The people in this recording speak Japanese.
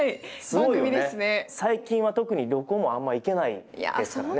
最近は特に旅行もあんま行けないですからね